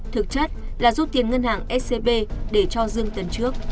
thực chất là rút tiền ngân hàng scb để cho dương tấn trước